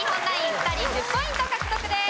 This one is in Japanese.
２人１０ポイント獲得です。